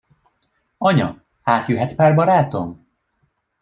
Anya, átjöhet pár barátom?